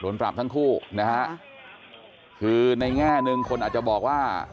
ปรับทั้งคู่นะฮะคือในแง่หนึ่งคนอาจจะบอกว่า